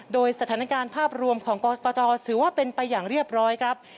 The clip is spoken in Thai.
โดยสถานการณ์ภาพรวมของกรกตถือว่าเป็นไปอย่างเรียบร้อยครับ